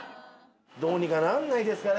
どうにかならないですかね？